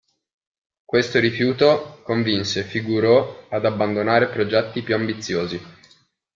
Questo rifiuto convinse Figueroa ad abbandonare progetti più ambiziosi.